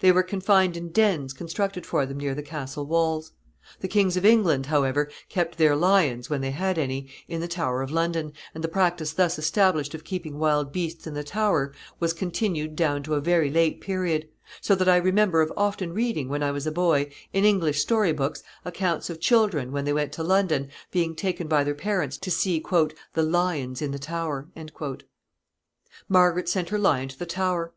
They were confined in dens constructed for them near the castle walls. The kings of England, however, kept their lions, when they had any, in the Tower of London, and the practice thus established of keeping wild beasts in the Tower was continued down to a very late period; so that I remember of often reading, when I was a boy, in English story books, accounts of children, when they went to London, being taken by their parents to see the "lions in the Tower." [Sidenote: The lion sent to the Tower.] Margaret sent her lion to the Tower.